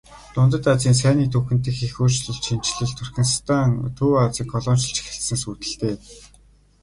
Дундад Азийн цайны түүхэн дэх их өөрчлөн шинэчлэлт Туркестан Төв Азийг колоничилж эхэлснээс үүдэлтэй.